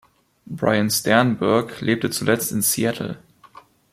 Brian Sternberg lebte zuletzt in Seattle.